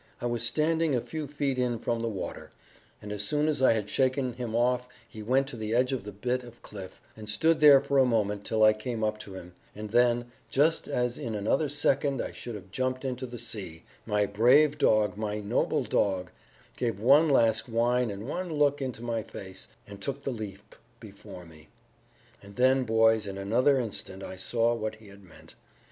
I was standing a few feet in from the water, and as soon as I had shaken him off he went to the edge of the bit of cliff, and stood there for a moment till I came up to him, and then just as in another second I should have jumped into the sea my brave dog, my noble dog, gave one last whine and one look into my face, and took the leap before me. And then, boys, in another instant I saw what he had meant.